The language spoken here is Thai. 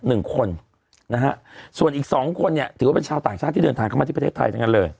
หนึ่งคนนะฮะส่วนอีกสองคนเนี่ยถือว่าเป็นชาวต่างชาติที่เดินทางเข้ามาที่ประเทศไทยทั้งนั้นเลย